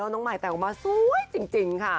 น้องใหม่แต่งออกมาสวยจริงค่ะ